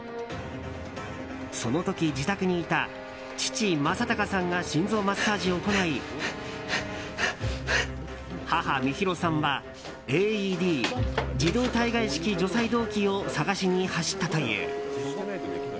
その時、自宅にいた父・正隆さんが心臓マッサージを行い母・美弘さんはＡＥＤ・自動体外式除細動器を探しに走ったという。